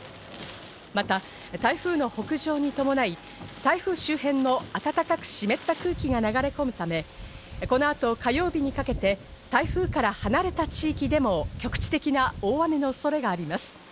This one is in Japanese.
また、台風の北上に伴い台風周辺の暖かく湿った空気が流れ込むためこの後、火曜日にかけて台風から離れた地域でも局地的な大雨の恐れがあります。